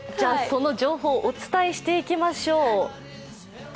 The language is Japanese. その情報をお伝えしていきましょう。